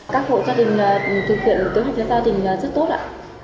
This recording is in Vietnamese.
các hội gia đình thực hiện tướng hành gia đình rất tốt ạ